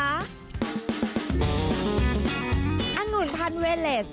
องุ่นพันเวเลส